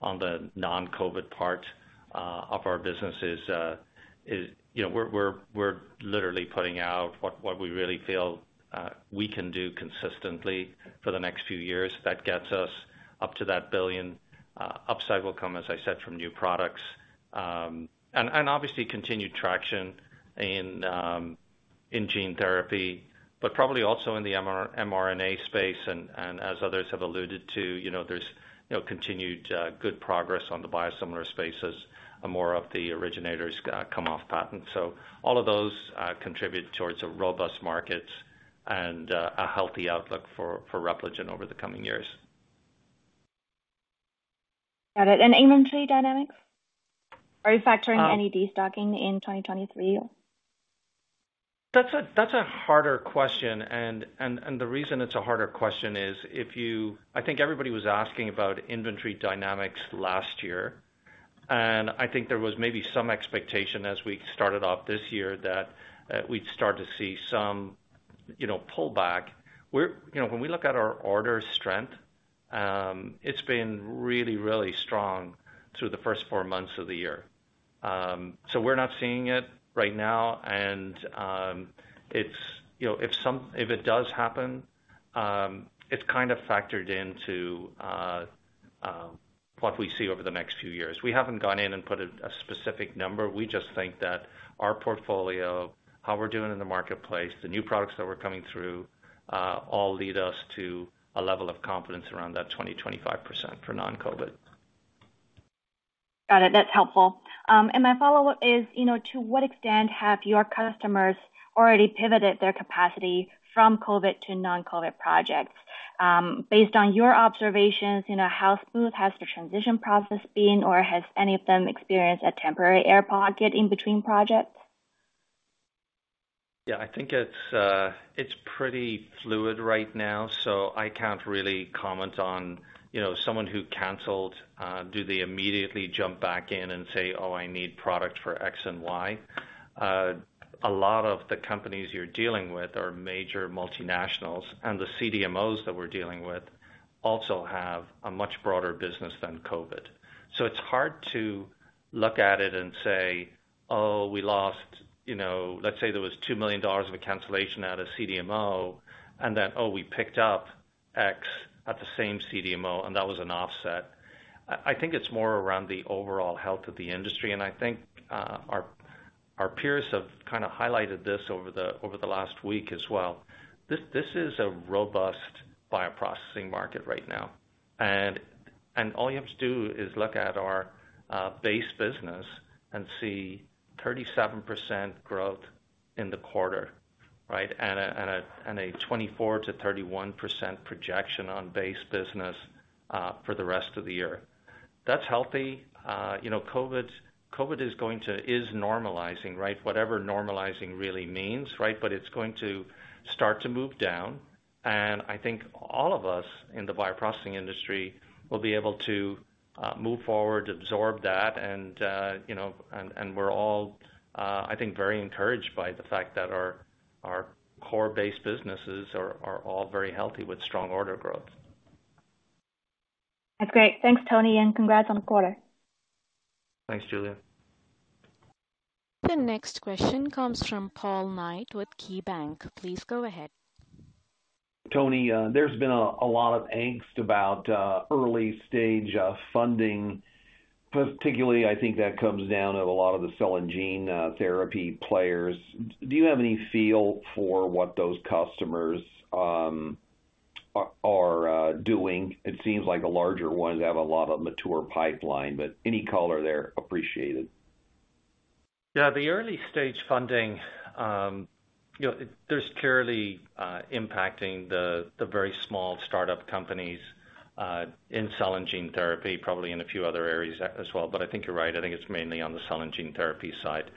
on the non-COVID part of our business is, you know, we're literally putting out what we really feel we can do consistently for the next few years. That gets us up to that billion. Upside will come, as I said, from new products. Obviously continued traction in gene therapy, but probably also in the mRNA space. As others have alluded to, you know, there's, you know, continued good progress on the biosimilar spaces and more of the originators come off patent. All of those contribute towards a robust market and a healthy outlook for Repligen over the coming years. Got it. Inventory dynamics? Are you factoring any destocking in 2023? That's a harder question. The reason it's a harder question is I think everybody was asking about inventory dynamics last year. I think there was maybe some expectation as we started off this year that we'd start to see some, you know, pull back. You know, when we look at our order strength, it's been really strong through the first four months of the year. So we're not seeing it right now. It's, you know, if it does happen, it's kind of factored into what we see over the next few years. We haven't gone in and put a specific number. We just think that our portfolio, how we're doing in the marketplace, the new products that were coming through, all lead us to a level of confidence around that 20%-25% for non-COVID. Got it. That's helpful. My follow-up is, you know, to what extent have your customers already pivoted their capacity from COVID to non-COVID projects? Based on your observations, you know, how smooth has the transition process been, or has any of them experienced a temporary air pocket in between projects? Yeah. I think it's pretty fluid right now, so I can't really comment on, you know, someone who canceled, do they immediately jump back in and say, "Oh, I need product for X and Y?" A lot of the companies you're dealing with are major multinationals, and the CDMOs that we're dealing with also have a much broader business than COVID. It's hard to look at it and say, "Oh, we lost," you know. Let's say there was $2 million of a cancellation at a CDMO and then, oh, we picked up X at the same CDMO, and that was an offset. I think it's more around the overall health of the industry, and I think our peers have kind of highlighted this over the last week as well. This is a robust bioprocessing market right now. All you have to do is look at our base business and see 37% growth in the quarter, right? A 24%-31% projection on base business for the rest of the year. That's healthy. You know, COVID is normalizing, right? Whatever normalizing really means, right? It's going to start to move down, and I think all of us in the bioprocessing industry will be able to move forward, absorb that, and you know, we're all, I think, very encouraged by the fact that our core base businesses are all very healthy with strong order growth. That's great. Thanks, Tony, and congrats on the quarter. Thanks, Julia. The next question comes from Paul Knight with KeyBanc. Please go ahead. Tony, there's been a lot of angst about early stage funding, particularly I think that comes down to a lot of the cell and gene therapy players. Do you have any feel for what those customers are doing? It seems like the larger ones have a lot of mature pipeline, but any color there appreciated. Yeah. The early stage funding, you know, there's clearly impacting the very small startup companies in cell and gene therapy, probably in a few other areas as well. I think you're right. I think it's mainly on the cell and gene therapy side.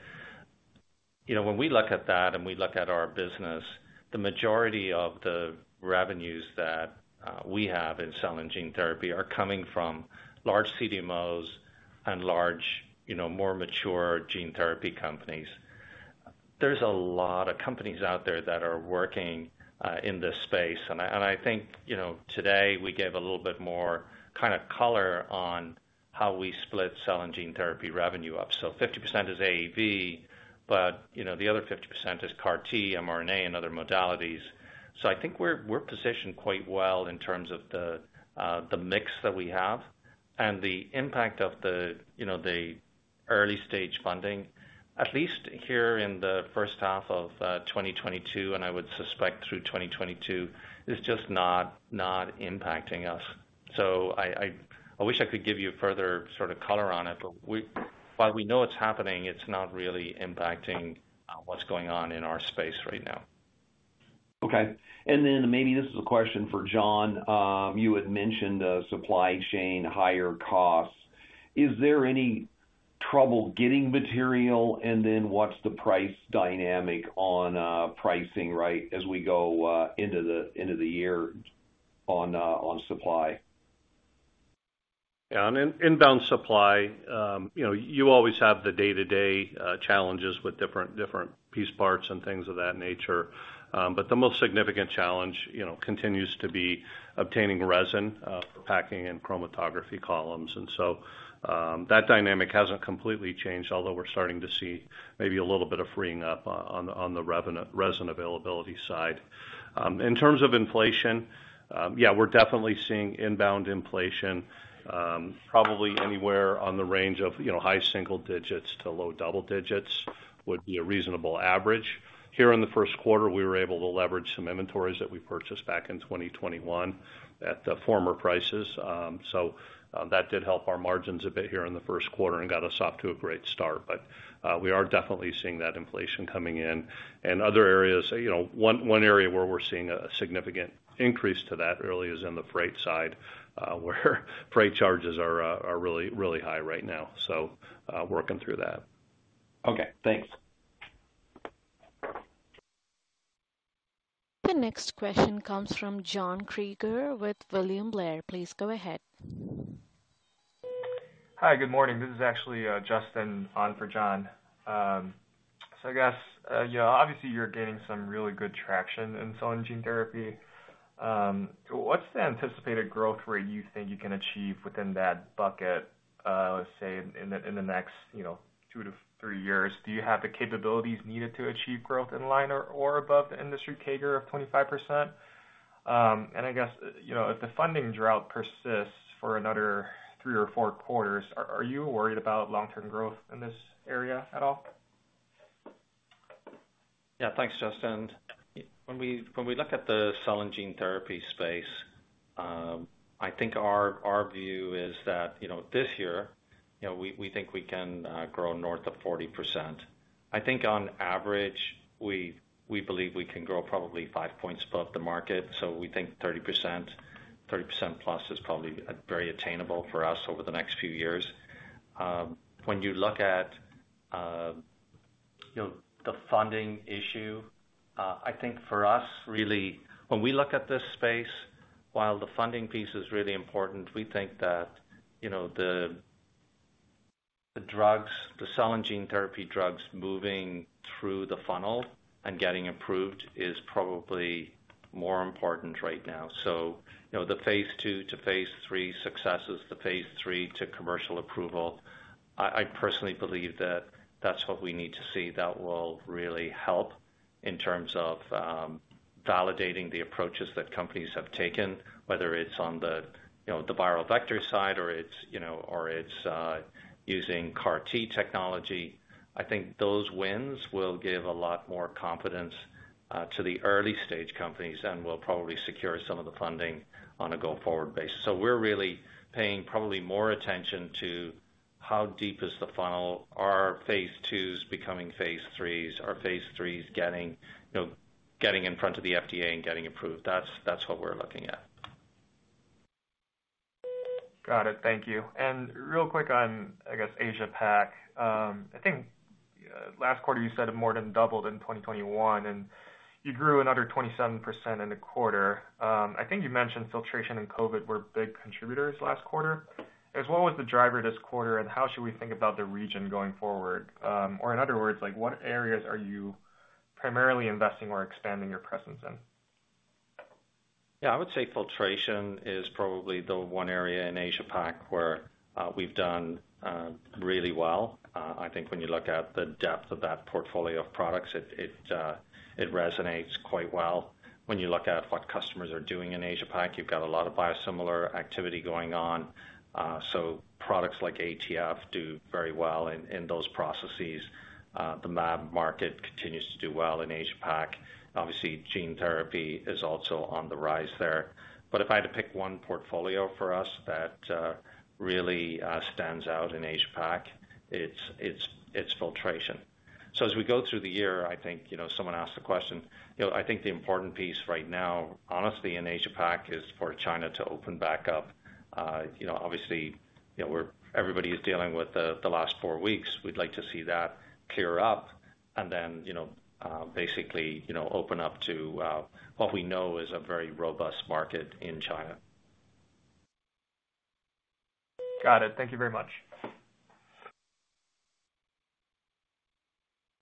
You know, when we look at that, and we look at our business, the majority of the revenues that we have in cell and gene therapy are coming from large CDMOs and large, you know, more mature gene therapy companies. There's a lot of companies out there that are working in this space, and I think, you know, today we gave a little bit more kind of color on how we split cell and gene therapy revenue up. 50% is AAV, but, you know, the other 50% is CAR T, mRNA and other modalities. I think we're positioned quite well in terms of the mix that we have and the impact of the, you know, the early stage funding, at least here in the first half of 2022, and I would suspect through 2022, is just not impacting us. I wish I could give you further sort of color on it, but while we know it's happening, it's not really impacting what's going on in our space right now. Okay. Maybe this is a question for John. You had mentioned supply chain, higher costs. Is there any trouble getting material? What's the price dynamic on pricing, right, as we go into the year on supply? Yeah. On inbound supply, you know, you always have the day-to-day challenges with different piece parts and things of that nature. The most significant challenge, you know, continues to be obtaining resin for packing and chromatography columns. That dynamic hasn't completely changed, although we're starting to see maybe a little bit of freeing up on the resin availability side. In terms of inflation, yeah, we're definitely seeing inbound inflation, probably anywhere in the range of, you know, high single digits to low double digits would be a reasonable average. Here in the first quarter, we were able to leverage some inventories that we purchased back in 2021 at the former prices. That did help our margins a bit here in the first quarter and got us off to a great start. We are definitely seeing that inflation coming in. In other areas, you know, one area where we're seeing a significant increase already is in the freight side, where freight charges are really high right now. Working through that. Okay, thanks. The next question comes from John Kreger with William Blair. Please go ahead. Hi, good morning. This is actually, Justin on for John. So I guess, you know, obviously you're gaining some really good traction in cell and gene therapy. What's the anticipated growth rate you think you can achieve within that bucket, let's say in the next, you know, 2-3 years? Do you have the capabilities needed to achieve growth in line or above the industry CAGR of 25%? I guess, you know, if the funding drought persists for another 3 or 4 quarters, are you worried about long-term growth in this area at all? Yeah. Thanks, Justin. When we look at the cell and gene therapy space, I think our view is that, you know, this year, you know, we think we can grow north of 40%. I think on average, we believe we can grow probably five points above the market. So we think 30% plus is probably very attainable for us over the next few years. When you look at, you know, the funding issue, I think for us, really, when we look at this space, while the funding piece is really important, we think that, you know, the drugs, the cell and gene therapy drugs moving through the funnel and getting approved is probably more important right now. You know, the phase two to phase three successes, the phase three to commercial approval, I personally believe that that's what we need to see. That will really help in terms of validating the approaches that companies have taken, whether it's on the you know the viral vector side or using CAR T technology. I think those wins will give a lot more confidence to the early stage companies and will probably secure some of the funding on a go-forward basis. We're really paying probably more attention to how deep is the funnel. Are phase twos becoming phase threes? Are phase threes getting in front of the FDA and getting approved? That's what we're looking at. Got it. Thank you. Real quick on, I guess, Asia Pac. I think last quarter you said it more than doubled in 2021, and you grew another 27% in the quarter. I think you mentioned filtration and COVID were big contributors last quarter. So what was the driver this quarter, and how should we think about the region going forward? Or in other words, like what areas are you primarily investing or expanding your presence in? Yeah, I would say filtration is probably the one area in Asia Pac where we've done really well. I think when you look at the depth of that portfolio of products, it resonates quite well. When you look at what customers are doing in Asia Pac, you've got a lot of biosimilar activity going on. So products like ATF do very well in those processes. The MAb market continues to do well in Asia Pac. Obviously, gene therapy is also on the rise there. If I had to pick one portfolio for us that really stands out in Asia Pac, it's filtration. As we go through the year, I think, you know, someone asked the question, you know, I think the important piece right now, honestly, in Asia Pac is for China to open back up. You know, obviously, you know, everybody is dealing with the last four weeks. We'd like to see that clear up and then, you know, basically, you know, open up to what we know is a very robust market in China. Got it. Thank you very much.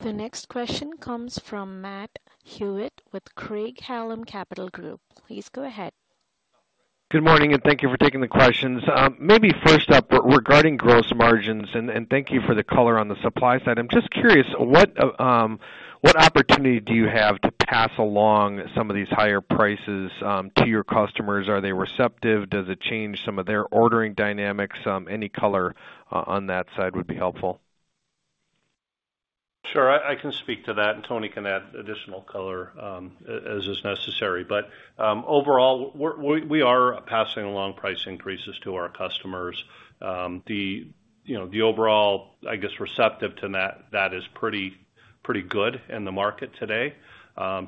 The next question comes from Matt Hewitt with Craig-Hallum Capital Group. Please go ahead. Good morning, and thank you for taking the questions. Maybe first up, regarding gross margins, and thank you for the color on the supply side. I'm just curious, what opportunity do you have to pass along some of these higher prices to your customers? Are they receptive? Does it change some of their ordering dynamics? Any color on that side would be helpful. Sure. I can speak to that, and Tony can add additional color as is necessary. Overall, we are passing along price increases to our customers. You know, the overall reception to that is pretty good in the market today,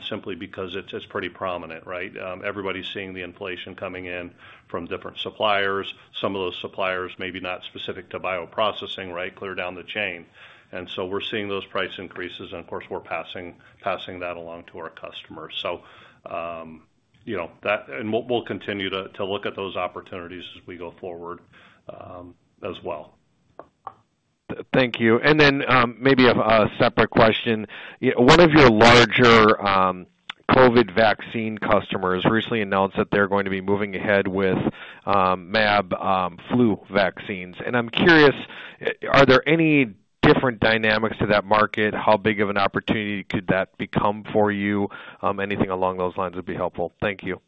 simply because it's pretty prominent, right? Everybody's seeing the inflation coming in from different suppliers. Some of those suppliers may not be specific to bioprocessing, right, clear down the chain. We're seeing those price increases, and of course, we're passing that along to our customers. You know, we'll continue to look at those opportunities as we go forward, as well. Thank you. Maybe a separate question. One of your larger COVID vaccine customers recently announced that they're going to be moving ahead with mAb flu vaccines. I'm curious, are there any different dynamics to that market? How big of an opportunity could that become for you? Anything along those lines would be helpful. Thank you.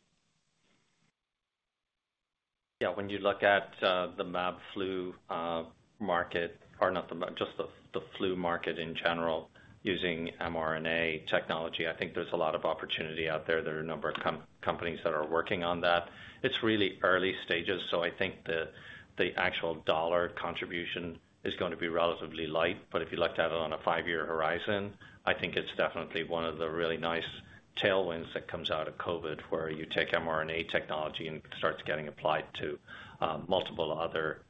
Yeah. When you look at the mAb flu market or not the mAb, just the flu market in general using mRNA technology, I think there's a lot of opportunity out there. There are a number of companies that are working on that. It's really early stages, so I think the actual dollar contribution is going to be relatively light. If you looked at it on a five-year horizon, I think it's definitely one of the really nice tailwinds that comes out of COVID, where you take mRNA technology and it starts getting applied to multiple other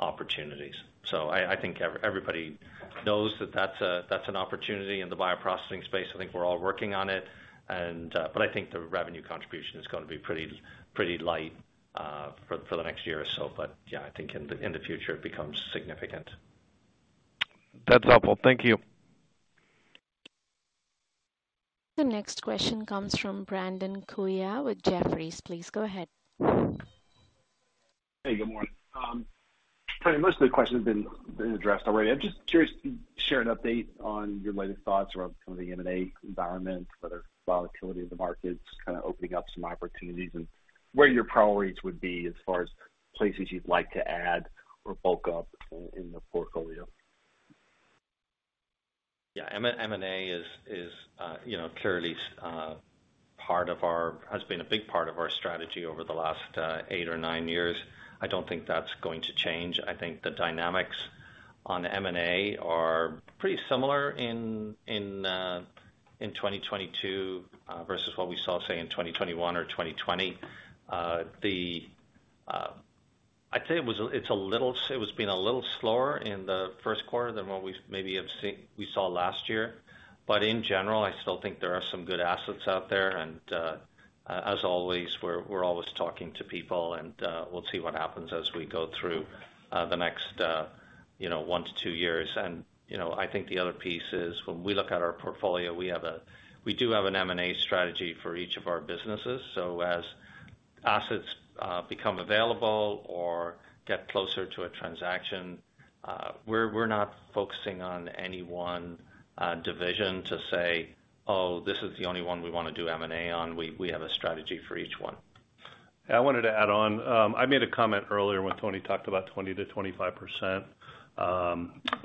opportunities. I think everybody knows that that's an opportunity in the bioprocessing space. I think we're all working on it, but I think the revenue contribution is gonna be pretty light for the next year or so. Yeah, I think in the future it becomes significant. That's helpful. Thank you. The next question comes from Brandon Couillard with Jefferies. Please go ahead. Hey, good morning. Most of the questions have been addressed already. I'm just curious if you can share an update on your latest thoughts around some of the M&A environment, whether volatility of the market is kind of opening up some opportunities and where your priorities would be as far as places you'd like to add or bulk up in the portfolio. Yeah, M&A is, you know, clearly part of our strategy has been a big part of our strategy over the last 8 or 9 years. I don't think that's going to change. I think the dynamics on M&A are pretty similar in 2022 versus what we saw, say, in 2021 or 2020. I'd say it was a little slower in the first quarter than what we saw last year. In general, I still think there are some good assets out there. As always, we're always talking to people and we'll see what happens as we go through the next 1-2 years. You know, I think the other piece is when we look at our portfolio, we do have an M&A strategy for each of our businesses. As assets become available or get closer to a transaction, we're not focusing on any one division to say, "Oh, this is the only one we wanna do M&A on." We have a strategy for each one. I wanted to add on. I made a comment earlier when Tony talked about 20%-25%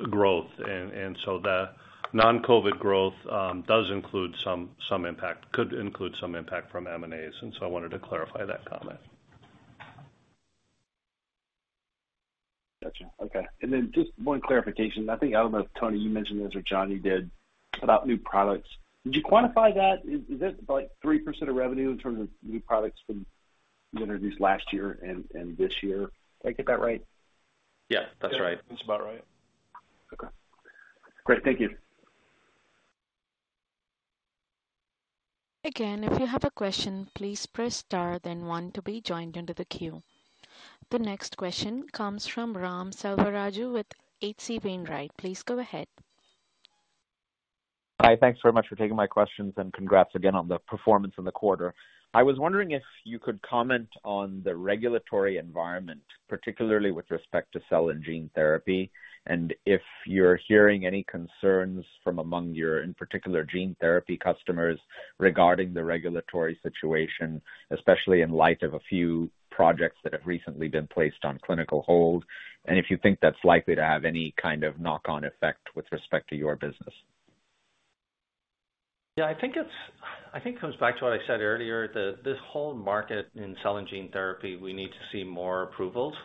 growth. The non-COVID growth does include some impact, could include some impact from M&As. I wanted to clarify that comment. Gotcha. Okay. Just one clarification. I think, I don't know if Tony, you mentioned this or Jon did about new products. Did you quantify that? Is that about 3% of revenue in terms of new products from you introduced last year and this year? Did I get that right? Yeah, that's right. Yeah. That's about right. Okay. Great. Thank you. Again, if you have a question, please press star then one to be joined into the queue. The next question comes from Ram Selvaraju with H.C. Wainwright. Please go ahead. Hi. Thanks very much for taking my questions and congrats again on the performance in the quarter. I was wondering if you could comment on the regulatory environment, particularly with respect to cell and gene therapy, and if you're hearing any concerns from among your, in particular, gene therapy customers regarding the regulatory situation, especially in light of a few projects that have recently been placed on clinical hold. If you think that's likely to have any kind of knock on effect with respect to your business. Yeah, I think it comes back to what I said earlier, that this whole market in cell and gene therapy, we need to see more approvals,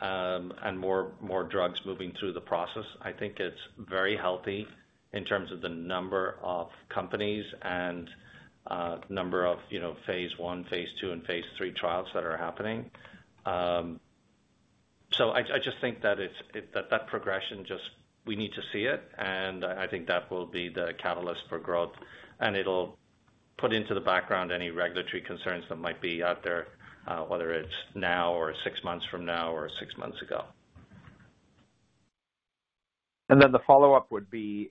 and more drugs moving through the process. I think it's very healthy in terms of the number of companies and number of, you know, phase one, phase two, and phase three trials that are happening. I just think that progression just we need to see it, and I think that will be the catalyst for growth. It'll put into the background any regulatory concerns that might be out there, whether it's now or six months from now or six months ago. The follow-up would be,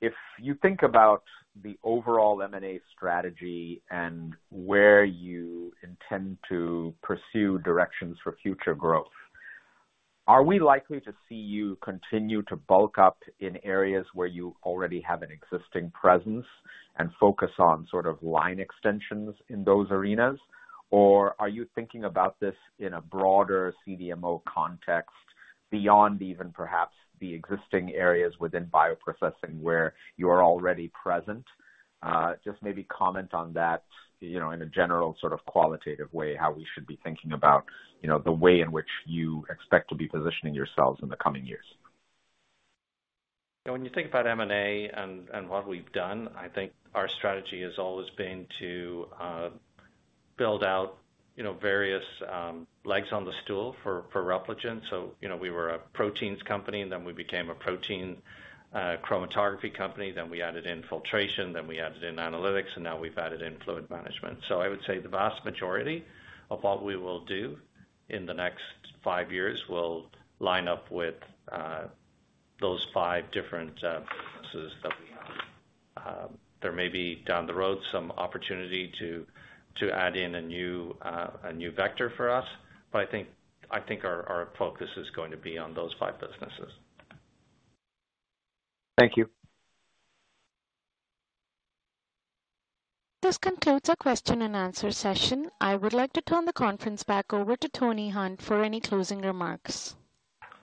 if you think about the overall M&A strategy and where you intend to pursue directions for future growth, are we likely to see you continue to bulk up in areas where you already have an existing presence and focus on sort of line extensions in those arenas? Or are you thinking about this in a broader CDMO context beyond even perhaps the existing areas within bioprocessing where you are already present? Just maybe comment on that, you know, in a general sort of qualitative way, how we should be thinking about, you know, the way in which you expect to be positioning yourselves in the coming years. You know, when you think about M&A and what we've done, I think our strategy has always been to build out, you know, various legs on the stool for Repligen. You know, we were a proteins company, and then we became a protein chromatography company. Then we added in filtration, then we added in analytics, and now we've added in fluid management. I would say the vast majority of what we will do in the next five years will line up with those five different businesses that we have. There may be down the road some opportunity to add in a new vector for us, but I think our focus is going to be on those five businesses. Thank you. This concludes our question and answer session. I would like to turn the conference back over to Tony Hunt for any closing remarks.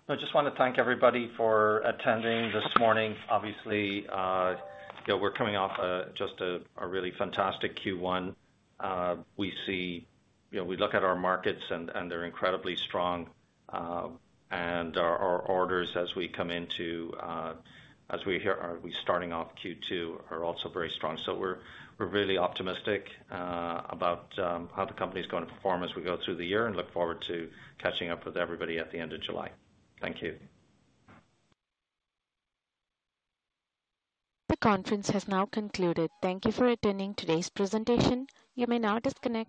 I just wanna thank everybody for attending this morning. Obviously, you know, we're coming off just a really fantastic Q1. You know, we look at our markets and they're incredibly strong, and our orders as we come into Q2 are also very strong. We're really optimistic about how the company's gonna perform as we go through the year and look forward to catching up with everybody at the end of July. Thank you. The conference has now concluded. Thank you for attending today's presentation. You may now disconnect.